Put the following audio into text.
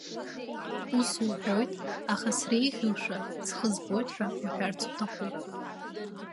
Ус уҳәоит, аха среиӷьушәа схы збоит ҳәа уҳәарц уҭахуп.